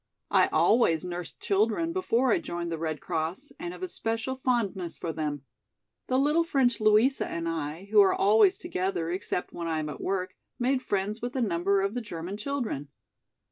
I always nursed children before I joined the Red Cross and have a special fondness for them. The little French Louisa and I, who are always together except when I am at work, made friends with a number of the German children.